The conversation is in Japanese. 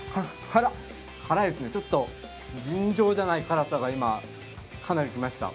ちょっと尋常じゃない辛さが今、かなりきました。